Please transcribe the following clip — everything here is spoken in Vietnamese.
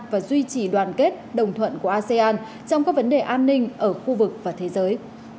và duy trì đoàn kết đồng thuận của asean trong các vấn đề an ninh ở khu vực và thế giới